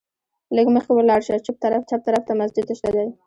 لږ مخکې ولاړ شه، چپ طرف ته مسجد شته دی.